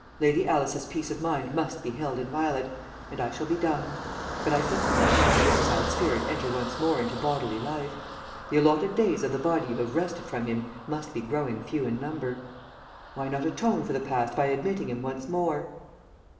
Lady Alice's peace of mind must be held inviolate, and I shall be dumb; but I think you might let the exiled spirit enter once more into bodily life. The allotted days of the body you have wrested from him must be growing few in number. Why not atone for the past by admitting him once more?"